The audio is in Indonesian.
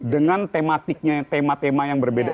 dengan tematiknya tema tema yang berbeda